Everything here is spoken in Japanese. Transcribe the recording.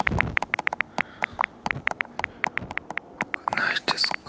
ないですか？